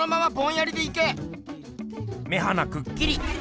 目鼻くっきり。